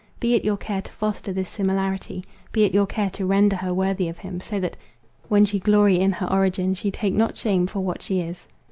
Be it your care to foster this similarity—be it your care to render her worthy of him, so that, when she glory in her origin, she take not shame for what she is."